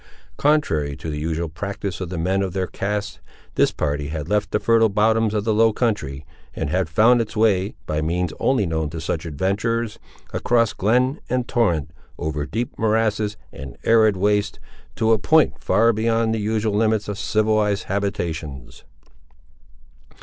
Contrary to the usual practice of the men of their caste, this party had left the fertile bottoms of the low country, and had found its way, by means only known to such adventurers, across glen and torrent, over deep morasses and arid wastes, to a point far beyond the usual limits of civilised habitations.